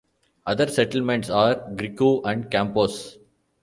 Other settlements are Grikou and Kampos.